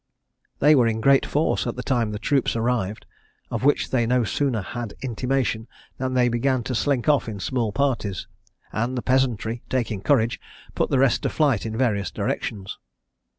They were in great force at the time the troops arrived, of which they no sooner had intimation than they began to slink off in small parties; and the peasantry, taking courage, put the rest to flight in various directions.